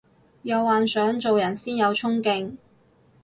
有幻想做人先有沖勁